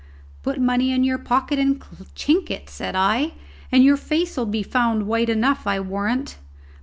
"Put money in your pocket and chink it," said I, "and your face'll be found white enough, I warrant."